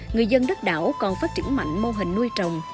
người dân đất đảo còn phát triển mạnh mô hình nuôi trồng